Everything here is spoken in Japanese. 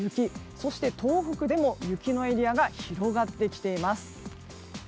そして、東北でも雪のエリアが広がってきています。